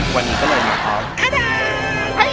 วันนี้ก็เลยมีเกาะ